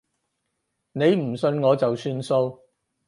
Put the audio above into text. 你唔信我就算數